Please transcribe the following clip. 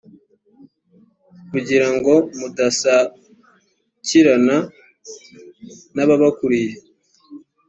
kugira ngo mudasakirana n’ababakurikiye;